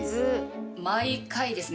毎回ですね。